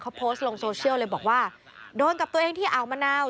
เขาโพสต์ลงโซเชียลเลยบอกว่าโดนกับตัวเองที่อ่าวมะนาว